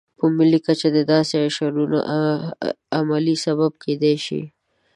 په ملي کچه د داسې اشرونو عملي سبب کېدای شي.